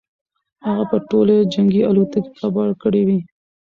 هغه به ټولې جنګي الوتکې کباړ کړې وي.